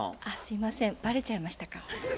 あっすいませんバレちゃいましたか。